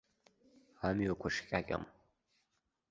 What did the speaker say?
Амҩақәа шҟьаҟьам.